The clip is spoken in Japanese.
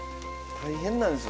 大変なんですよ